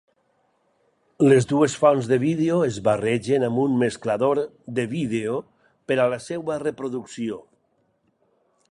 Les dues fonts de vídeo es barregen amb un mesclador de vídeo per a la seva reproducció.